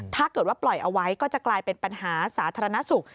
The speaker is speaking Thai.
ถ้าเกิดว่าปล่อยเอาไว้ก็จะกลายเป็นปัญหาสาธารณสุข